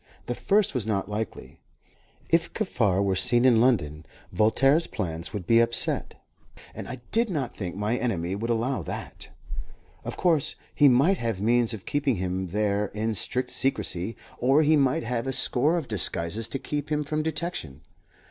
The first was not likely. If Kaffar were seen in London, Voltaire's plans would be upset, and I did not think my enemy would allow that. Of course he might have means of keeping him there in strict secrecy, or he might have a score of disguises to keep him from detection.